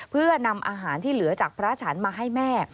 เพื่อนำอาหารที่เหลือจากพระฉันมาให้แม่